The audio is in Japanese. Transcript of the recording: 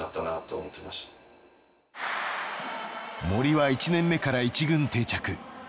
森は１年目から１軍定着。